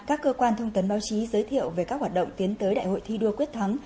các cơ quan thông tấn báo chí giới thiệu về các hoạt động tiến tới đại hội thi đua quyết thắng